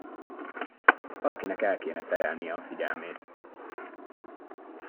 Valakinek el kéne terelnie a figyelmét.